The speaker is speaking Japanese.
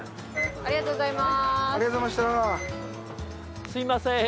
ありがとうございます！